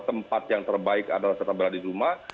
tempat yang terbaik adalah tetap berada di rumah